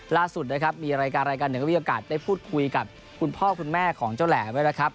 ล่าสุดนะครับมีรายการรายการหนึ่งก็มีโอกาสได้พูดคุยกับคุณพ่อคุณแม่ของเจ้าแหลมไว้นะครับ